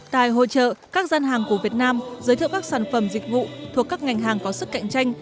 tại hội trợ các gian hàng của việt nam giới thiệu các sản phẩm dịch vụ thuộc các ngành hàng có sức cạnh tranh